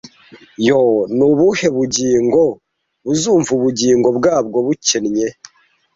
yoo ni ubuhe bugingo buzumva ubugingo bwabwo bukennye